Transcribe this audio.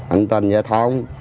an toàn gia thông